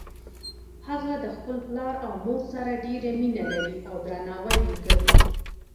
هغه د خپل پلار او مور سره ډیره مینه لری او درناوی یی کوي